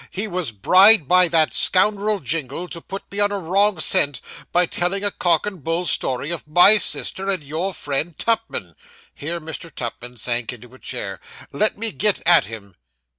'He was bribed by that scoundrel, Jingle, to put me on a wrong scent, by telling a cock and bull story of my sister and your friend Tupman!' (Here Mr. Tupman sank into a chair.) 'Let me get at him!